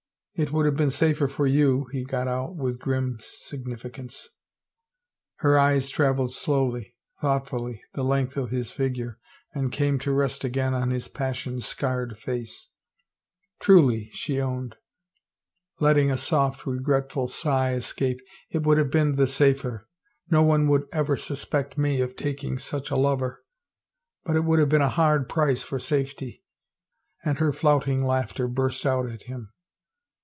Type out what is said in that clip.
" It would have been the safer for you," he got out, with grim sig nificance. Her eyes traveled slowly, thoughtfully, the length of his figure and came to rest again on his passion scarred face. 340 THE TOWER " Truly," she owned, letting a soft, regretful sigh es cape, *' it would have been the safer. No one would ever suspect me of taking such a lover. ... But it would have been a hard price for safety," and her flout ing laughter burst out at him.